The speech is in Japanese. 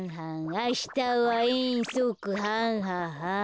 あしたはえんそくはんははん。